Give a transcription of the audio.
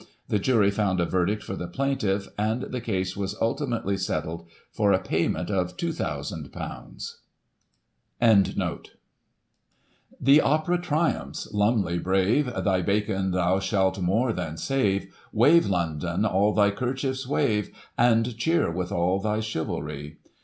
The jury found a verdict for the plaintifl', and the case was ultimately settled by a payment of ;£"2,ooo. Digitized by Google 1847] DEATH OF O'CONNELL. 311 The Opera triumphs ! LuMLEY brave, Thy bacon thou shalt more than save ; Wave, London, all thy 'kerchiefs wave, And cheer with all thy chivalry.